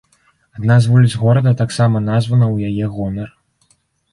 Адна з вуліц горада таксама названа ў яе гонар.